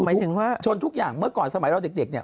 หมายถึงว่าชนทุกอย่างเมื่อก่อนสมัยเราเด็กเนี่ย